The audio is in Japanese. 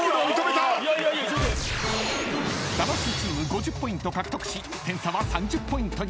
［魂チーム５０ポイント獲得し点差は３０ポイントに］